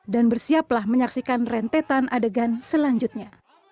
dan bersiaplah menyaksikan rentetan adegan selanjutnya